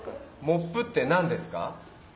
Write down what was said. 「モップ」って何ですか？